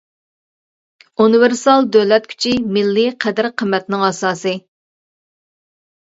ئۇنىۋېرسال دۆلەت كۈچى مىللىي قەدىر-قىممەتنىڭ ئاساسى.